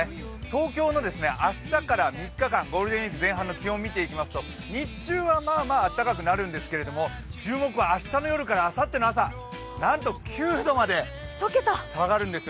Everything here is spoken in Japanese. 東京の明日から３日間ゴールデンウイーク前半の気温を見ていきますと日中はまあまああったかくなるんですけど、注目は明日の夜からあさっての朝なんと９度まで下がるんです。